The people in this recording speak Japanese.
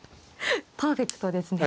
パーフェクトですね。